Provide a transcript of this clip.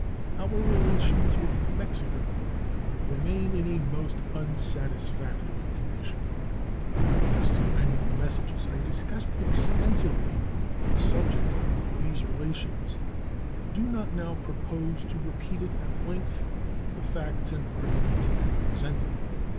Our relations with Mexico remain in a most unsatisfactory condition. In my last two annual messages I discussed extensively the subject of these relations, and do not now propose to repeat at length the facts and arguments then presented.